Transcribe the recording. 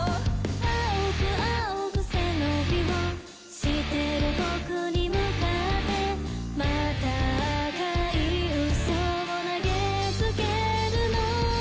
青く青く背伸びをしてる僕に向かってまた赤い嘘を投げつけるの？